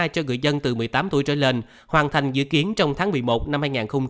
cho người dân từ một mươi tám tuổi trở lên hoàn thành dự kiến trong tháng một mươi một năm hai nghìn hai mươi